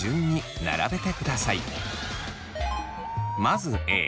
まずＡ。